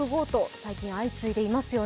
最近相次いでいますよね。